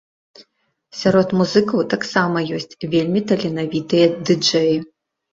Сярод музыкаў таксама ёсць вельмі таленавітыя ды-джэі.